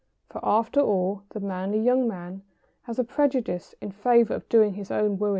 ] For, after all, the manly young man has a prejudice in favour of doing his own wooing!